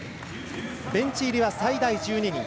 ベンチ入りは最大１２人。